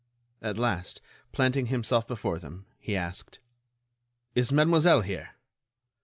At last, planting himself before them, he asked: "Is Mademoiselle here?"